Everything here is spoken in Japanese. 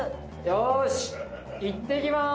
よしいってきます。